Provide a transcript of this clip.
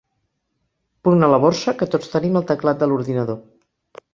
Punt a la Borsa que tots tenim al teclat de l'ordinador.